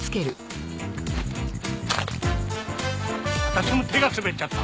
私も手が滑っちゃった。